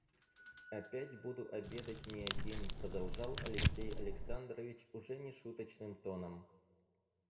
Опять буду обедать не один, — продолжал Алексей Александрович уже не шуточным тоном.